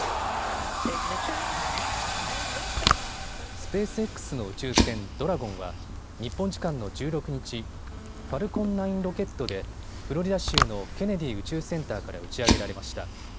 スペースＸの宇宙船、ドラゴンは日本時間の１６日、ファルコン９ロケットでフロリダ州のケネディ宇宙センターから打ち上げられました。